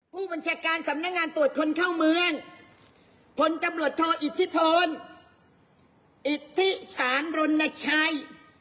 ผู้บัญชาการสำนักงานตรวจคนเข้าเมืองพลตำรวจโทอิทธิพลอิทธิสารรณชัย